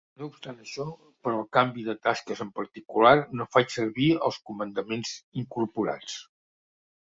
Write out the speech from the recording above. No obstant això, per al canvi de tasques en particular no faig servir els comandaments incorporats.